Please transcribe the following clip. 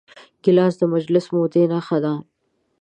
ګیلاس د مجلس د مودې نښه ده.